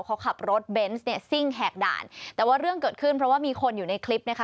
เขาขับรถเบนส์เนี่ยซิ่งแหกด่านแต่ว่าเรื่องเกิดขึ้นเพราะว่ามีคนอยู่ในคลิปนะคะ